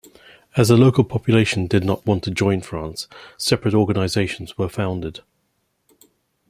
As the local population did not want to join France, separate organisations were founded.